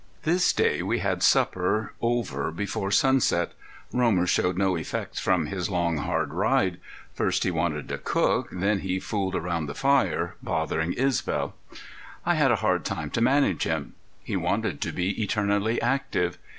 This day we had supper over before sunset. Romer showed no effects from his long, hard ride. First he wanted to cook, then he fooled around the fire, bothering Isbel. I had a hard time to manage him. He wanted to be eternally active.